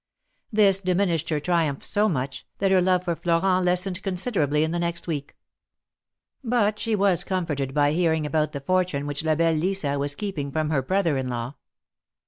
This diminished her triumph so much, that her love for Florent lessened considerably in the next week. But she was comforted by hearing about the fortune which La belle Lisa was keeping from her brother in law.